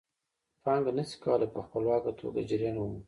پانګه نشي کولای په خپلواکه توګه جریان ومومي